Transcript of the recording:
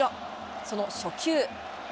その初球。